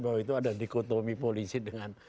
bahwa itu ada dikotomi polisi dengan